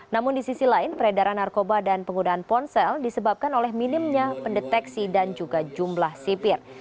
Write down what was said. namun di sisi lain peredaran narkoba dan penggunaan ponsel disebabkan oleh minimnya pendeteksi dan juga jumlah sipir